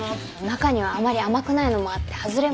中にはあまり甘くないのもあって外れもあるかも。